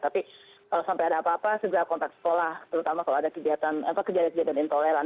tapi kalau sampai ada apa apa segera kontak sekolah terutama kalau ada kejadian kejadian intoleran